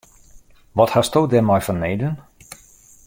Wat hasto dêrmei fanneden?